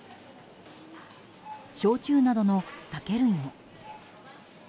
焼酎などの酒類も。